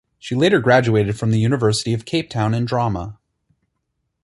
She later graduated from the University of Cape Town in drama.